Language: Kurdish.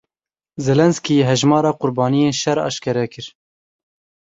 Zelensky hejmara qurbaniyên şer eşkere kir.